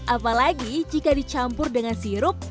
apalagi jika dicampur dengan sirup